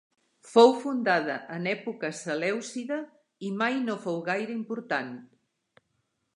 Fou fundada en època selèucida i mai no fou gaire important.